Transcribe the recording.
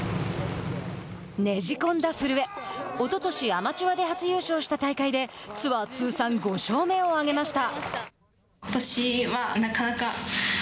ねじ込んだ古江おととしアマチュアで初優勝した大会でツアー通算５勝目を挙げました。